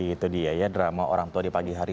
itu dia ya drama orang tua di pagi hari